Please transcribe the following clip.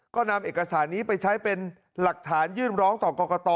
ก็นำเอกสารนี้ไปใช้เป็นหลักฐานยื่นร้องต่อกรกต